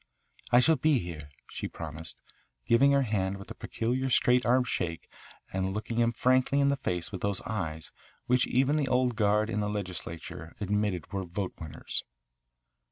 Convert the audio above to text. "I shall be here," she promised, giving her hand with a peculiar straight arm shake and looking him frankly in the face with those eyes which even the old guard in the legislature admitted were vote winners.